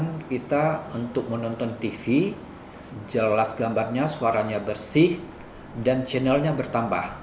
kemudian kita untuk menonton tv jelas gambarnya suaranya bersih dan channelnya bertambah